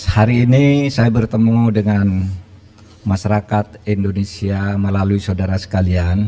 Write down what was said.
hari ini saya bertemu dengan masyarakat indonesia melalui saudara sekalian